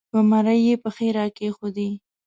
پر مرۍ یې پښې را کېښودې